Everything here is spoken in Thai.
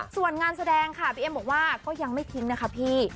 ส่วนงานแสดงค่ะบีเอ็มบอกว่าก็ยังไม่ทิ้งนะคะพี่